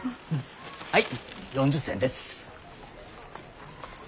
はい４０銭です。